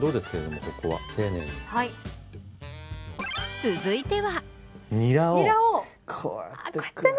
続いては。